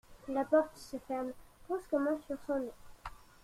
La porte se ferme brusquement sur son nez.